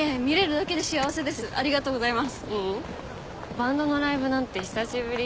バンドのライブなんて久しぶり。